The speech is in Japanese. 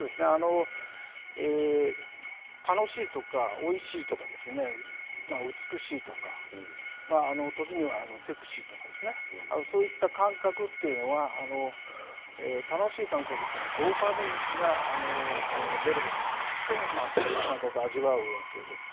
楽しいとか、おいしいとか美しいとか時にはセクシーとかそういった感覚というのは楽しい感覚というのはドーパミンが出ることによってそういう感覚を味わうわけです。